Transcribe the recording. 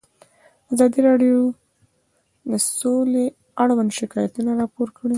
ازادي راډیو د سوله اړوند شکایتونه راپور کړي.